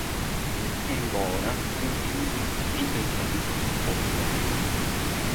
Embora, contudo, entretanto, porquanto